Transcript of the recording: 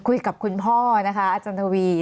คุยกับคุณพ่อนะคะอาจารย์ดวี